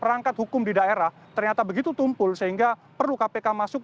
perangkat hukum di daerah ternyata begitu tumpul sehingga perlu kpk masuk